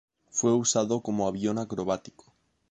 Fue usado como avión acrobático.